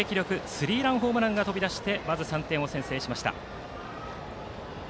スリーランホームランが飛び出しまず３点を先制。